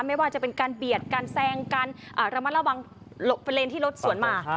ไม่ว่าจะเป็นการเบียดการแซงการระมัดระวังเป็นเลนที่รถสวนมา